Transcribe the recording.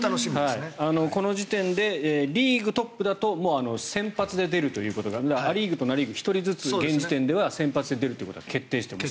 この時点でリーグトップだと先発で出ることがア・リーグとナ・リーグ１人ずつは現時点では先発で出るということが決定しています。